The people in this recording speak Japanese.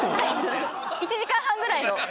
１時間半ぐらいの。